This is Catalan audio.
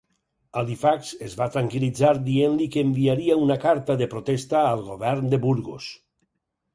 Halifax el va tranquil·litzar dient-li que enviaria una carta de protesta al govern de Burgos.